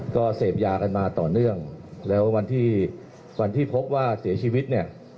ก็เสพยากันมาต่อเนื่องแล้ววันที่วันที่พบว่าเสียชีวิตเนี่ย